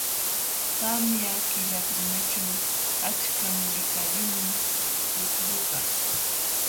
Tamya killakunaćhu achkam likalimun tukllukaq..